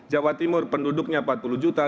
jawa timur penduduknya empat puluh juta